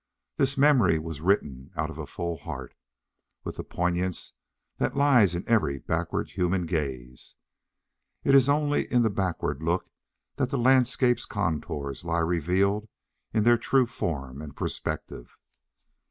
This memory was written out of a full heart, with the poignance that lies in every backward human gaze. It is only in the backward look that the landscape's contours lie revealed in their true form and perspective.